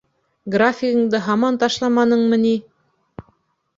Графигыңды һаман ташламаныңмы ни?